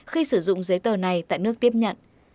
khi sử dụng giấy tờ này tại nước tiếp nhận